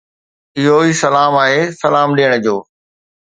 اهو ئي سلام آهي سلام ڏيڻ جو.